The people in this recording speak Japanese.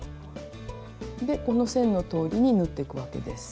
この線のとおりに縫っていくわけです。